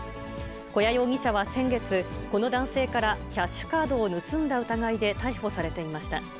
古屋容疑者は先月、この男性からキャッシュカードを盗んだ疑いで逮捕されていました。